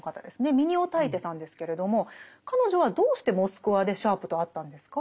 ミニオタイテさんですけれども彼女はどうしてモスクワでシャープと会ったんですか？